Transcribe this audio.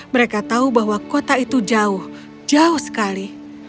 mereka tahu bahwa kota itu jauh jauh sekali